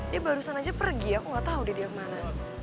dia barusan aja pergi aku gak tau deh dia kemana